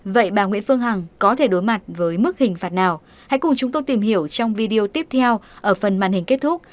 vậy bà nguyễn phương hằng có thể đối mặt với mức hình phạt nào hãy cùng chúng tôi tìm hiểu trong video tiếp theo ở phần màn hình kết thúc